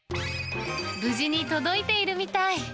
無事に届いているみたい。